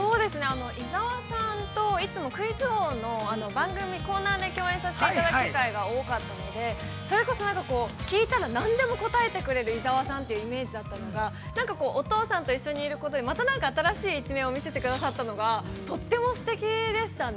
◆伊沢さんといつもクイズ王の番組コーナーで共演させていただく機会が多かったので、それこそ聞いたら何でも答えてくれる伊沢さんというイメージだったのがなんかお父さんと一緒にいることで、また何か新しい一面を見せてくださったのがとってもすてきでしたね。